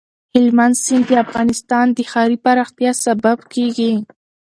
هلمند سیند د افغانستان د ښاري پراختیا سبب کېږي.